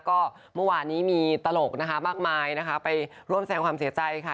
ก็เมื่อวานนี้มีตลกนะคะมากมายนะคะไปร่วมแสงความเสียใจค่ะ